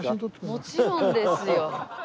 もちろんですよ。